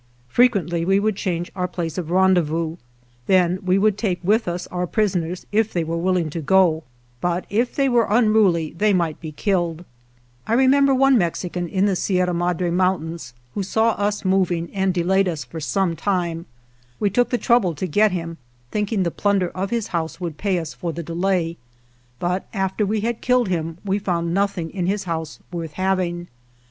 Frequently we would change our place of rendezvous ; then we would take with us our prisoners if they were willing to go, but if they were unruly they might be killed. I remember one Mexican in the Sierra Madre 98 HEAVY FIGHTING Mountains who saw us moving and delayed us for some time. We took the trouble to get him, thinking the plunder of his house would pay us for the delay, but after we had killed him we found nothing in his house worth having.